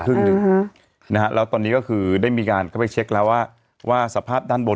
หนึ่งฮะนะฮะแล้วตอนนี้ก็คือได้มีการเข้าไปเช็คแล้วว่าว่าสภาพด้านบน